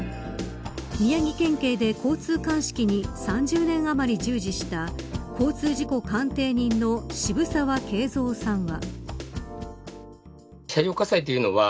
宮城県警で交通鑑識に３０年あまり従事した交通事故鑑定人の澁澤敬造さんは。